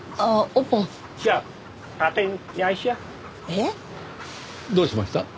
えっ！？どうしました？